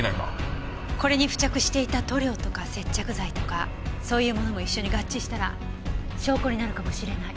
これに付着していた塗料とか接着剤とかそういうものも一緒に合致したら証拠になるかもしれない。